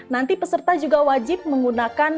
nanti peserta juga wajib menggunakan